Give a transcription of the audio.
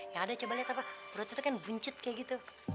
ya udah coba lihat apa perutnya kan buncit kayak gitu